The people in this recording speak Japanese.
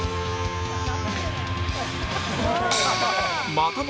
またも